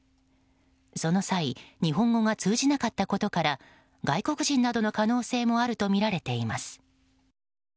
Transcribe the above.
その際日本語が通じなかったことから外国人などの可能性もあるとみられています。